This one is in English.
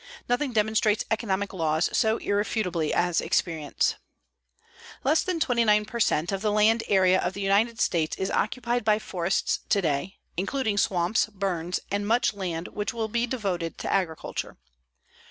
Nothing demonstrates economic laws so irrefutably as experience. Less than 29 per cent of the land area of the United States is occupied by forests today, including swamps, burns and much land which will be devoted to agriculture.